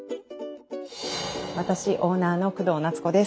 私オーナーの工藤夏子です。